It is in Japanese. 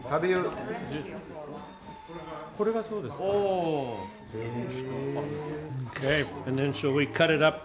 これがそうですと。